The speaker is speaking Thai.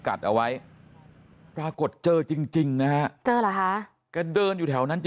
กัดเอาไว้ปรากฏเจอจริงนะเจอหรอค่ะก็เดินอยู่แถวนั้น